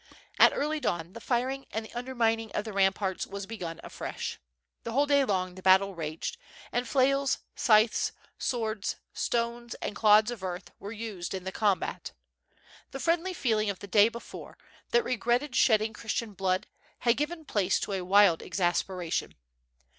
■ At early dawn the firing and the undermining of the ram parts was begun afresh. The whole day long the battle raged, and flails, scythes, swords, stones, and clods of earth, were used in the combat. The friendly feeling of the day before, that regretted shedding Christian blood, had given place to a wild exasperation.